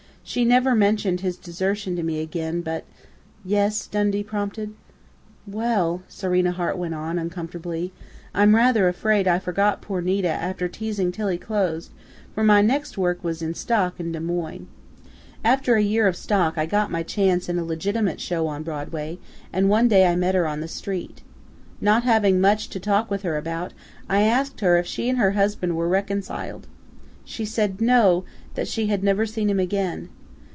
She never mentioned his desertion to me again, but " "Yes?" Dundee prompted. "Well," Serena Hart went on, uncomfortably, "I'm afraid I rather forgot poor Nita after 'Teasing Tilly' closed, for my next work was in stock in Des Moines. After a year of stock I got my chance in a legitimate show on Broadway, and one day I met her on the street. Not having much to talk with her about, I asked her if she and her husband were reconciled. She said no, that she had never seen him again.